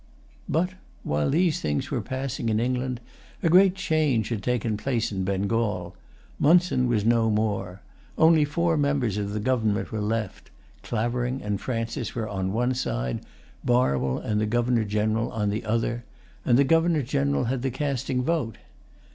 But, while these things were passing in England, a great change had taken place in Bengal. Monson was no more. Only four members of the government were left. Clavering and Francis were on one side, Barwell[Pg 161] and the Governor General on the other; and the Governor General had the casting vote.